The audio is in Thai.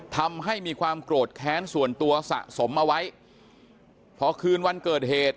ทำให้มีความโกรธแค้นส่วนตัวสะสมเอาไว้พอคืนวันเกิดเหตุ